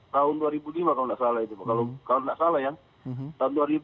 tahun dua ribu lima kalau tidak salah itu pak